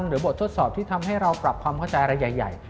บททดสอบที่ทำให้เราปรับความเข้าใจอะไรใหญ่